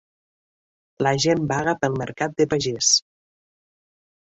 La gent vaga pel mercat de pagès.